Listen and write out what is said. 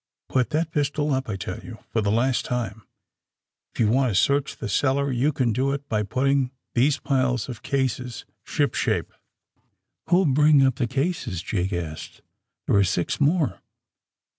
Put that pistol up, I tell you, for the last time. If you want to search the cellar you can do it by putting these piles of cases ship shape." ^^AVho'li bring up the cases!" Jake asked. '^ There are six more."